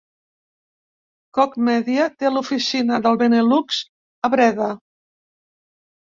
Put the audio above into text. Koch Media té l'oficina del Benelux a Breda.